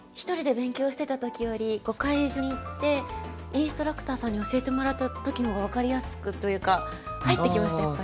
１人で勉強してた時より碁会所に行ってインストラクターさんに教えてもらった時の方が分かりやすくというか入ってきました